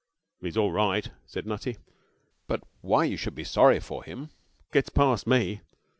'He's all right,' said Nutty. 'But why you should be sorry for him gets past me.